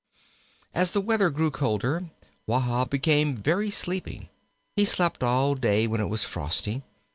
As the weather grew colder, Wahb became very sleepy; he slept all day when it was frosty.